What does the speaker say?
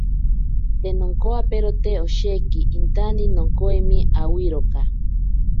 Te nonkowaperote osheki, intane nokovwime awiroka.